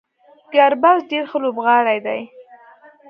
ګربز ډیر ښه لوبغاړی دی